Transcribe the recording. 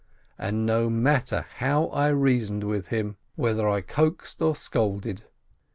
And no matter how I reasoned with him, GYMNASIYE 175 whether I coaxed or scolded.